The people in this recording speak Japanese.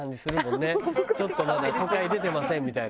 ちょっとまだ都会出てませんみたいな。